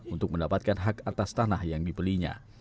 untuk mendapatkan hak atas tanah yang dibelinya